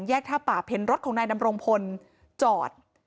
ติดไฟแดงแยกท่าปราบเห็นรถของนายนำรงพลจอด